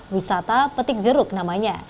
wisata petik jeruk namanya